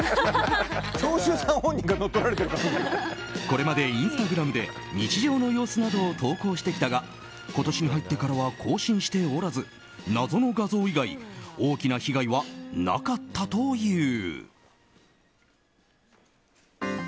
これまでインスタグラムで日常の様子などを投稿してきたが今年に入ってからは更新しておらず謎の画像以外大きな被害はなかったという。